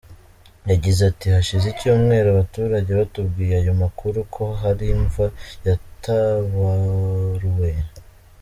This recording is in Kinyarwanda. Yagize ati "Hashize icyumweru abaturage batubwiye ayo makuru ko hari imva yataburuwe.